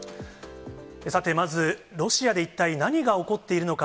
さて、まず、ロシアで一体、何が起こっているのか。